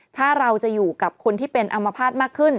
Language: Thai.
ถ้าเราจะอยู่กับคนที่เป็นอัมพาตมากขึ้น